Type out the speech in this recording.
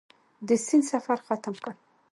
د سیند سفر ختم کړ.